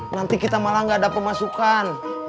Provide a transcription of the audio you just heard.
nanti kita malah gak ada pemasukan